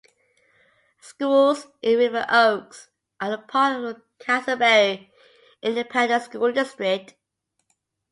Schools in River Oaks are a part of the Castleberry Independent School District.